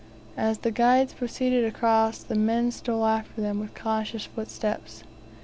As the guides proceeded across, the men stole after them with cautious footsteps.